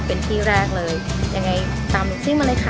เป็นที่แรกเลยยังไงตามหนูซิ่งมาเลยค่ะ